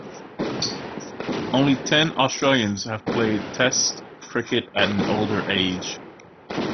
Only ten Australians have played Test cricket at an older age.